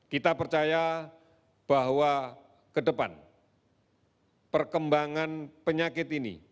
kita percaya bahwa ke depan perkembangan penyakit ini